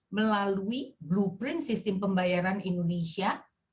melalui blueprint sistem pembayaran indonesia dua ribu dua puluh lima